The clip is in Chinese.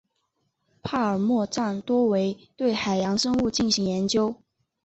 帕尔默站多为对海洋生物进行研究。